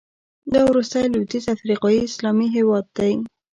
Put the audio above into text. دا وروستی لوېدیځ افریقایي اسلامي هېواد دی.